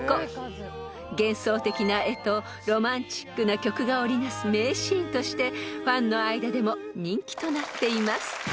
［幻想的な絵とロマンチックな曲が織りなす名シーンとしてファンの間でも人気となっています］